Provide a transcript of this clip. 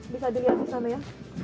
bisa dilihat di sana ya